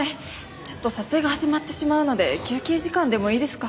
ちょっと撮影が始まってしまうので休憩時間でもいいですか？